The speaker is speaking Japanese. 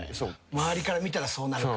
周りから見たらそうなるか。